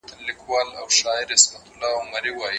ښوونځی د علم، ادب او اخلاقو مرکز دی.